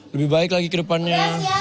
lebih baik lagi ke depannya